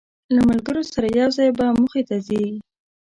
له ملګرو سره یو ځای به موخې ته ځی.